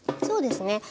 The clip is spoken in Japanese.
そうですね。